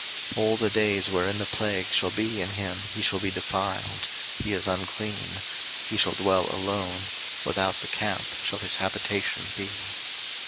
03:013:046 All the days wherein the plague shall be in him he shall be defiled; he is unclean: he shall dwell alone; without the camp shall his habitation be.